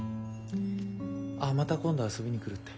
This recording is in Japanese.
あまた今度遊びに来るって。